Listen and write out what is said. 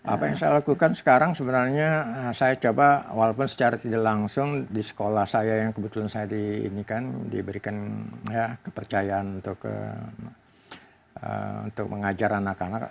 apa yang saya lakukan sekarang sebenarnya saya coba walaupun secara tidak langsung di sekolah saya yang kebetulan saya di ini kan diberikan kepercayaan untuk mengajar anak anak